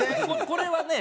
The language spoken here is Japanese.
これはね